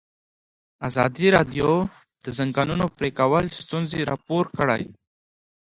ازادي راډیو د د ځنګلونو پرېکول ستونزې راپور کړي.